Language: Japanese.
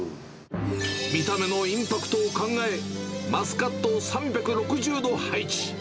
見た目のインパクトを考え、マスカットを３６０度配置。